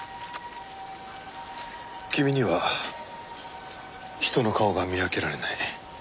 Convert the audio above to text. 君には人の顔が見分けられない。